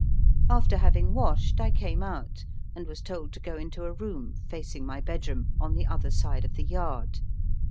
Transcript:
After having washed, I came out, and was told to go into a room, facing my bedroom, on the other side of the yard.